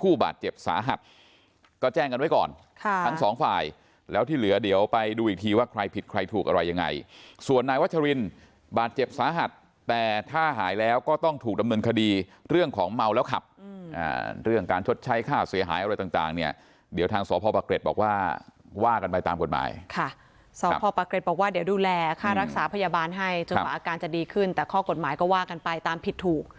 ผู้บาดเจ็บสาหัสก็แจ้งกันไว้ก่อนทั้งสองฝ่ายแล้วที่เหลือเดี๋ยวไปดูอีกทีว่าใครผิดใครถูกอะไรยังไงส่วนนายวัชรินบาดเจ็บสาหัสแต่ถ้าหายแล้วก็ต้องถูกดำเนินคดีเรื่องของเมาแล้วขับเรื่องการชดใช้ค่าเสียหายอะไรต่างเนี่ยเดี๋ยวทางสพปะเกร็ดบอกว่าว่ากันไปตามกฎหมายค่ะสพปะเกร็ด